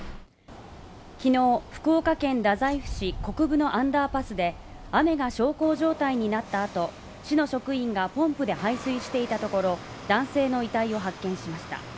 昨日、福岡県太宰府市国分のアンダーパスで雨が小康状態になった後、市の職員がポンプで排水していたところ、男性の遺体を発見しました。